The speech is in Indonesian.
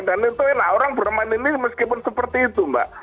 dan itu orang bermain ini meskipun seperti itu mbak